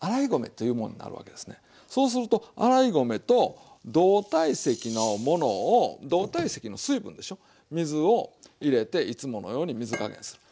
そうすると洗い米と同体積のものを同体積の水分でしょう水を入れていつものように水加減する。